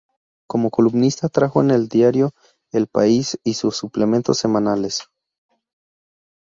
Como columnista trabajó en el Diario El País y sus suplementos semanales.